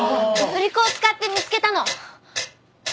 振り子を使って見つけたの！